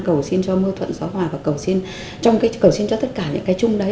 cầu xin cho mưa thuận gió hòa và cầu xin trong cái cầu xin cho tất cả những cái chung đấy